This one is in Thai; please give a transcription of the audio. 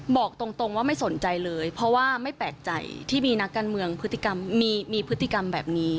บอกตรงว่าไม่สนใจเลยเพราะว่าไม่แปลกใจที่มีนักการเมืองพฤติกรรมมีพฤติกรรมแบบนี้